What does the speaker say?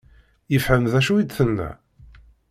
Yefhem d acu i d-tenna?